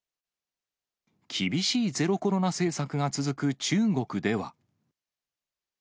厳しいゼロコロナ政策が続く中国では。